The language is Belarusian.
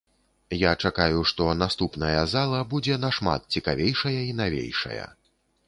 Я чакаю, што наступная зала будзе нашмат цікавейшая і навейшая.